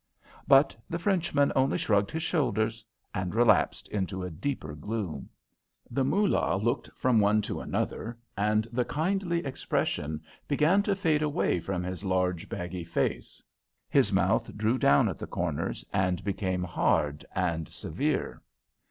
But the Frenchman only shrugged his shoulders and relapsed into a deeper gloom. The Moolah looked from one to the other, and the kindly expression began to fade away from his large, baggy face. His mouth drew down at the corners, and became hard and severe.